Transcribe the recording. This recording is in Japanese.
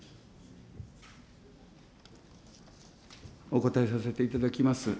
お答えさせていただきます。